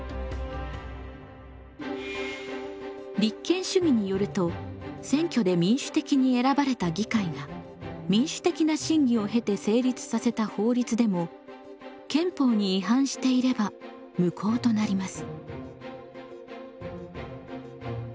立憲主義によると選挙で民主的に選ばれた議会が民主的な審議を経て成立させた法律でも憲法に違反していれば無効となります。